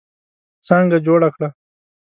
څانګه جوړه کړه.